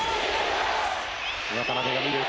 渡邊が見る。